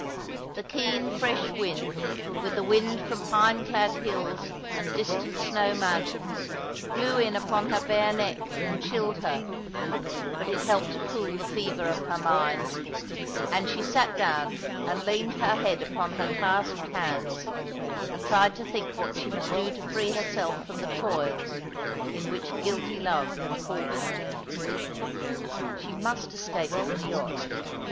The keen fresh wind, the wind from pine clad hills and distant snow mountains, blew in upon her bare neck and chilled her ; but it helped to cool the fever of her mind, and she sat down and leant her head upon her clasped hands, and tried to think what she must do to free herself from the toils in which guilty love had caught her. She must escape from the yacht.